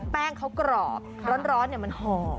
แป้งเขากรอบร้อนมันหอม